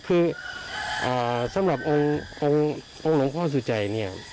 คือสำหรับองค์หลวงพ่อสุจัยเนี่ย